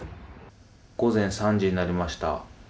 午前３時になりました。